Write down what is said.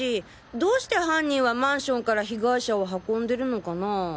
どうして犯人はマンションから被害者を運んでるのかな？